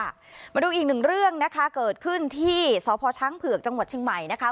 มาดูอีกหนึ่งเรื่องนะคะเกิดขึ้นที่สพช้างเผือกจังหวัดเชียงใหม่นะคะ